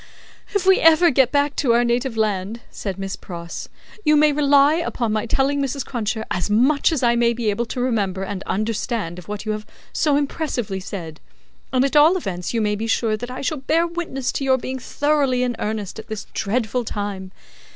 "If we ever get back to our native land," said Miss Pross, "you may rely upon my telling Mrs. Cruncher as much as I may be able to remember and understand of what you have so impressively said; and at all events you may be sure that I shall bear witness to your being thoroughly in earnest at this dreadful time.